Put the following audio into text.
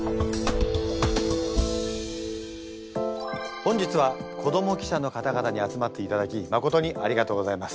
本日は子ども記者の方々に集まっていただきまことにありがとうございます。